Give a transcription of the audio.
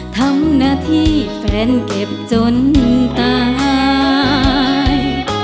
ทำหน้าที่แฟนเก็บจนตาย